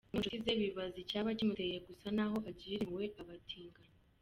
Bamwe mu nshuti ze bibaza icyaba kimuteye gusa naho agirira impuhwe abatinganyi.